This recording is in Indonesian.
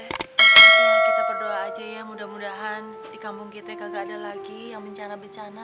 ya kita berdoa aja ya mudah mudahan di kampung kita gak ada lagi yang bencana bencana